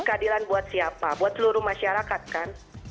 keadilan buat siapa buat seluruh masyarakat kan